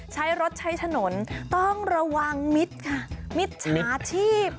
ใช้รถใช้ถนนต้องระวังมิตรค่ะมิจฉาชีพ